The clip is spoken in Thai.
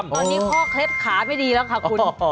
ตอนนี้พ่อเคล็ดขาไม่ดีแล้วค่ะคุณ